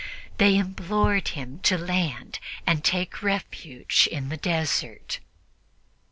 They implored him to land and take refuge in the desert.